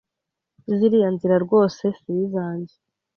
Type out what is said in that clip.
ziriya nzira rwose sizanjye